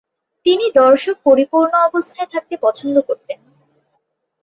তিনি দর্শক পরিপূর্ণ অবস্থায় থাকতে পছন্দ করতেন।